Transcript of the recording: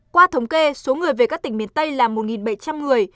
qua thống kê số người về các tỉnh miền tây là một bảy trăm linh người